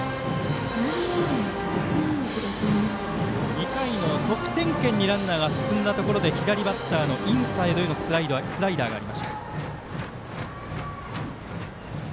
２回も得点圏にランナーが進んだところで左バッターのインサイドへのスライダーがありました。